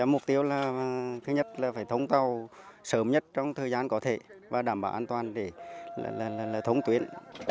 mục tiêu là thứ nhất là phải thống tàu sớm nhất trong thời gian có thể và đảm bảo an toàn để là là là là thông tuyến